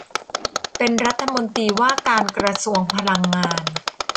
เป็นรัฐมนตรีว่าการกระทรวงพลังงาน